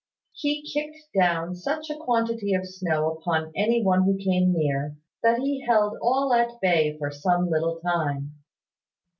He kicked down such a quantity of snow upon any one who came near, that he held all at bay for some little time.